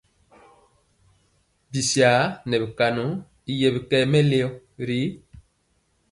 Bisar nɛ bi konɔ y yɛ bikɛɛ mɛleo ri.